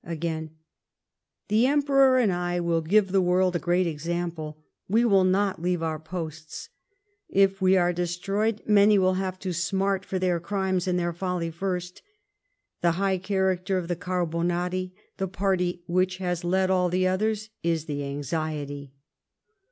Again :" Tho Emperor and I will give the world a great example ; we wfll not leave our pnsts. If wo arc destroyed, many will have to smart for their crimes and their folly fust. Tlie high cliaracler of tlte Carbomxri, the party which has led all the otliers, is the anxiety."